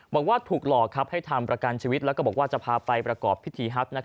บอกว่าถูกหลอกให้ทำประกันชีวิตแล้วก็บอกว่าจะพาไปประกอบพิธีฮัก